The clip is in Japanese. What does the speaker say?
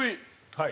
はい。